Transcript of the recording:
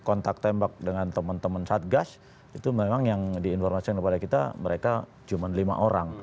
kontak tembak dengan teman teman satgas itu memang yang diinformasikan kepada kita mereka cuma lima orang